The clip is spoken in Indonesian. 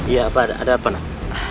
iya apa ada ada apa nak